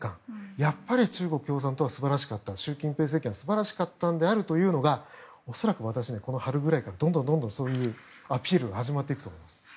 やっぱり中国共産党は素晴らしかった習近平政権は素晴らしかったという恐らく春ぐらいからどんどんそういうアピールが始まっていくと思います。